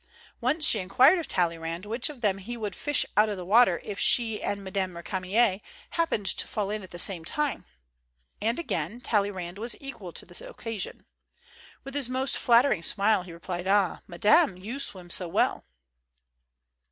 Once she inquired of Tal leyrand which of them he would fish out of the water if she and Mme. ReeamiYr happened to fall in at the same time. And again Talleyrand was equal to the occasion. With his most flut tering smile he replied, "Ah, Madame, you swim so well."